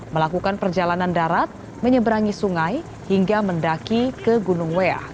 melakukan perjalanan darat menyeberangi sungai hingga mendaki ke gunung weah